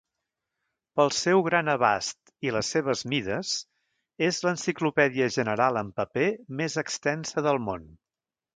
Pel seu gran abast i les seves mides, és l'enciclopèdia general en paper més extensa del món.